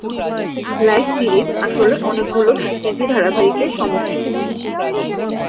Life series আসলে অনেকগুলো TV ধারাবাহিকের সমষ্টি।